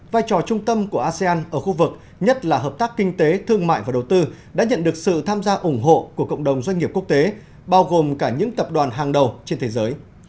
vai trò trung tâm của asean ở khu vực nhất là hợp tác kinh tế thương mại và đầu tư đã nhận được sự tham gia ủng hộ của cộng đồng doanh nghiệp quốc tế bao gồm cả những tập đoàn hàng đầu trên thế giới